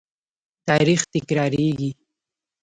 تاریخ تکراریږي